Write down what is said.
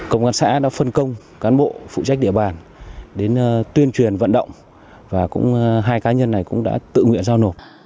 công an xã đã phân công cán bộ phụ trách địa bàn đến tuyên truyền vận động và cũng hai cá nhân này cũng đã tự nguyện giao nộp